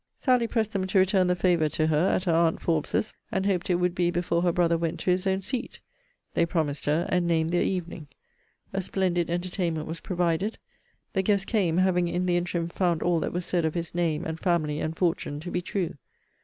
Sally pressed them to return the favour to her at her aunt Forbes's, and hoped it would be before her brother went to his own seat. They promised her, and named their evening. A splendid entertainment was provided. The guests came, having in the interim found all that was said of his name, and family, and fortune to be true.